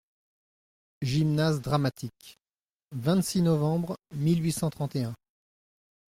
Gymnase-Dramatique. — vingt-six novembre mille huit cent trente et un.